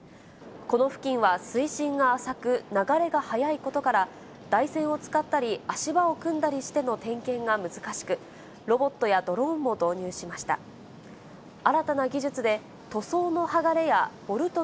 この付近は水深が浅く、流れが速いことから、台船を使ったり、足場を組んだりしての点検が難しく、ロボットやドローンも導入し全国の皆さん、こんにちは。